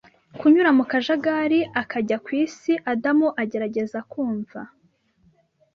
kunyura mu kajagari akajya ku isi. Adamu agerageza kumva